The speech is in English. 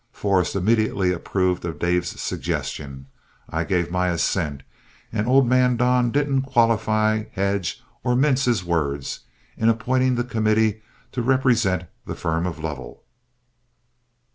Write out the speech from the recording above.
Forrest immediately approved of Dave's suggestion. I gave my assent, and old man Don didn't qualify, hedge, or mince his words in appointing the committees to represent the firm of Lovell.